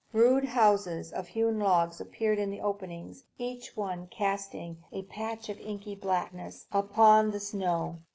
Rude houses of hewn logs appeared in the openings, each one casting a patch of inky blackness upon the snow.